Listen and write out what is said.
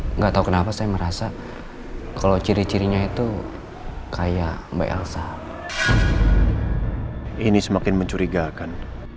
enggak tahu kenapa saya merasa kalau ciri cirinya itu kayak mbak elsa ini semakin mencurigakan